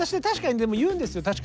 確かにでも言うんですよ